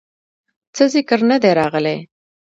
څۀ ذکر نۀ دے راغلے